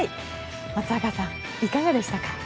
松坂さん、いかがでしたか。